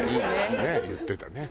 ねえ言ってたね。